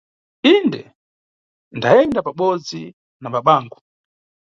Inde, ndayenda pabodzi na babangu.